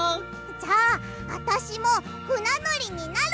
じゃああたしもふなのりになる！